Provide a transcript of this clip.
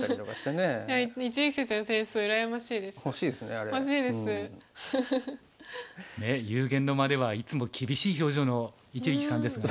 ねえ幽玄の間ではいつも厳しい表情の一力さんですもんね。